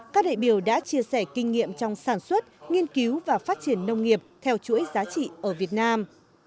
các đại biểu đã chia sẻ kinh nghiệm trong sản xuất nghiên cứu và phát triển nông nghiệp theo chuỗi giá trị ở việt nam